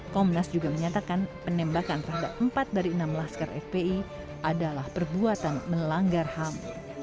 komnas juga menyatakan penembakan terhadap empat dari enam laskar fpi adalah perbuatan melanggar ham